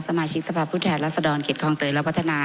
สมาชิกสภาพผู้แทนรัศดรเขตคลองเตยและพัฒนา